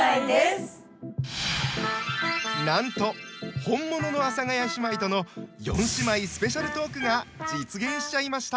なんと本物の阿佐ヶ谷姉妹との四姉妹スペシャルトークが実現しちゃいました。